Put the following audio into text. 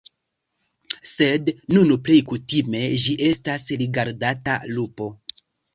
Sed nun plej kutime ĝi estas rigardata lupo.